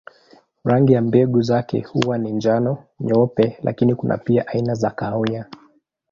Rangi ya mbegu zake huwa ni njano, nyeupe lakini kuna pia aina za kahawia.